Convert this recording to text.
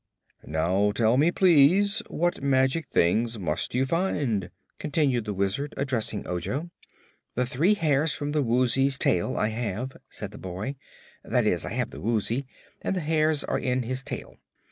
"Now tell me, please, what magic things must you find?" continued the Wizard, addressing Ojo. "The three hairs from the Woozy's tail I have," said the boy. "That is, I have the Woozy, and the hairs are in his tail.